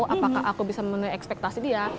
apakah aku bisa memenuhi ekspektasi dia